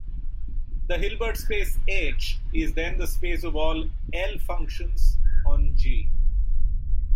The Hilbert space "H" is then the space of all "L" functions on "G".